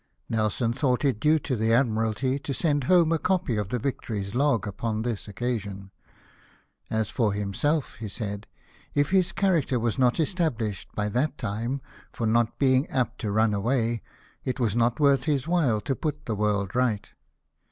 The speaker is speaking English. Nelson thought it due to the Admiralty to send home a copy of the Victory s log upon this occasion. " As for himself," he said, " if his character was not established by that time for not being apt to run away, it was not worth his while to put the world right."